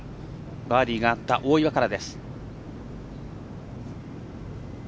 バーディーのあった大岩から。